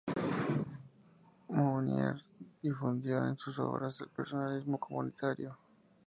Mounier difundió en sus obras el personalismo comunitario.